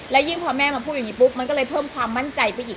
และยิ่งพอแม่มาพูดอย่างนี้ปุ๊บมันก็เลยเพิ่มความมั่นใจไปอีก